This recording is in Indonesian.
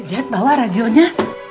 jahit bawah radionya